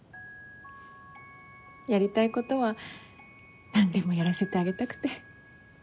やりたいことは何でもやらせてあげたくて。